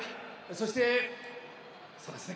そしてそうですね